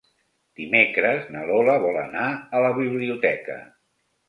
Dimecres na Lola vol anar a la biblioteca.